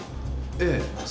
ええ。